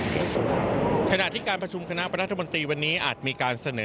ขณะที่การประชุมคณะรัฐมนตรีวันนี้อาจมีการเสนอ